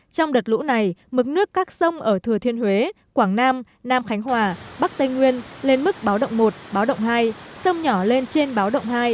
trong đợt lũ này mức nước các sông ở thừa thiên huế quảng nam nam khánh hòa bắc tây nguyên lên mức báo động một báo động hai sông nhỏ lên trên báo động hai